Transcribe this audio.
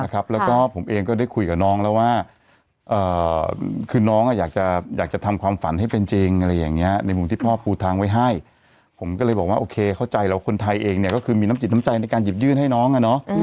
ตัวเองก็คือมีน้ำจิตน้ำใจในการหยิบยื่นให้น้อง